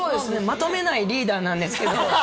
まとめないリーダーなんですけど。